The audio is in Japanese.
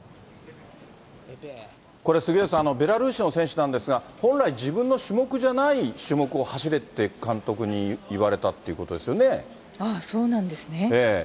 これ、杉上さん、ベラルーシの選手なんですが、本来、自分の種目じゃない種目を走れって、監督に言われたってことですそうなんですね。